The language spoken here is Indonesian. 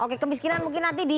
oke kemiskinan mungkin nanti di